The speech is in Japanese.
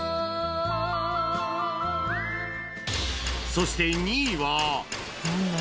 そして２位は